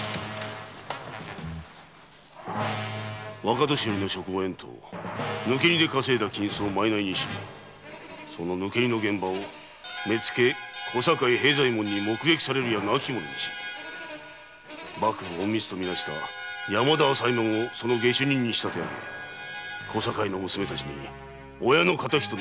若年寄の職を得んと抜け荷で稼いだ金子を賂にし抜け荷の現場を目付・小堺兵左衛門に目撃されるや亡き者にし幕府隠密とみなした山田朝右衛門をその下手人に仕立てあげ小堺の娘たちに親の敵と狙わせ口を封じようとした。